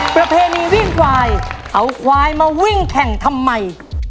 ประเพณีวิ่งควายเอาควายมาวิ่งแข่งทำไม